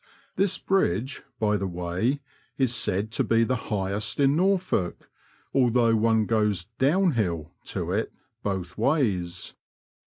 This bridge, by the way, is said to be the highest in Norfolk, although one goes down hill to it both ways.